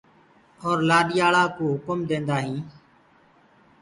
اور لآڏياݪآ ڪوٚ هڪُم ديندآ هين۔